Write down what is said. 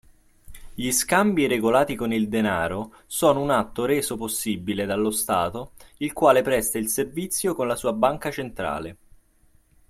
Gli scambi regolati con denaro sono un atto reso possibile dallo stato il quale presta il servizio con la sua banca centrale